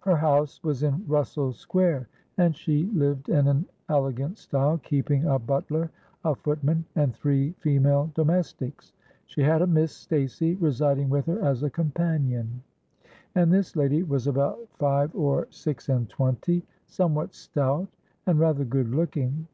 Her house was in Russell Square; and she lived in an elgant style—keeping a butler, a footman, and three female domestics. She had a Miss Stacey residing with her as a companion; and this lady was about five or six and twenty—somewhat stout—and rather good looking.